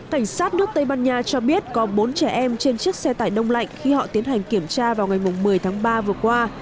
cảnh sát nước tây ban nha cho biết có bốn trẻ em trên chiếc xe tải đông lạnh khi họ tiến hành kiểm tra vào ngày một mươi tháng ba vừa qua